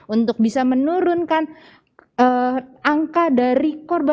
untuk bisa menurunkan angka dari korban